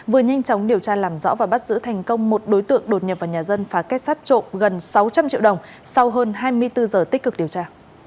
vừa nhanh chóng điều tra làm rõ và bắt giữ thành công một đối tượng đột nhập vào nhà dân phá kết sát trộm gần sáu trăm linh triệu đồng sau hơn hai mươi bốn giờ tích cực điều tra